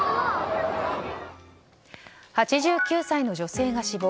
８９歳の女性が死亡。